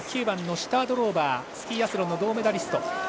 ９番のシュタードローバースキーアスロンの銅メダリスト。